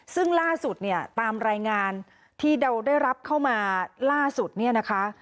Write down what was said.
ซึ่งล่าสุดเนี่ยตามรายงานที่เราได้รับเข้ามาล่าสุดเนี่ยนะคะ